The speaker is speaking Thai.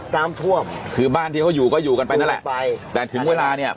ตามทั่วคือบ้านที่เขาอยู่ก็อยู่กันไปนั่นแหละอยู่กันไปแต่ถึงเวลาเนี้ย